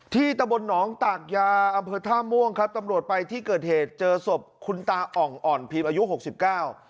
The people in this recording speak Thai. ตะบนหนองตากยาอำเภอท่าม่วงครับตำรวจไปที่เกิดเหตุเจอศพคุณตาอ่องอ่อนพิมพ์อายุหกสิบเก้า